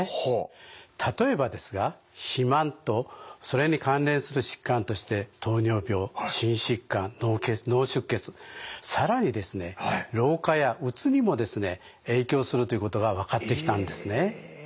例えばですが肥満とそれに関連する疾患として糖尿病心疾患脳出血更にですね老化やうつにもですね影響するということが分かってきたんですね。